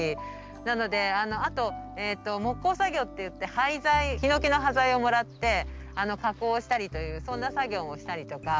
なのであと木工作業っていって廃材ヒノキの端材をもらって加工したりというそんな作業もしたりとか。